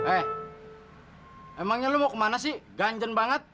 eh emangnya lo mau kemana sih ganjan banget